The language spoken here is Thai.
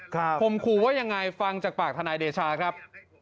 คมขู่ว่ายังไงฟังจากปากทนายเดชาครับ